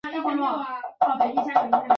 普赖奥尔。